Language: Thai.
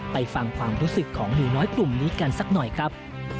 ไปฟังความรู้สึกของหนูน้อยกลุ่มนี้กันสักหน่อยครับ